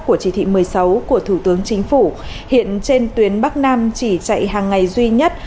của chỉ thị một mươi sáu của thủ tướng chính phủ hiện trên tuyến bắc nam chỉ chạy hàng ngày duy nhất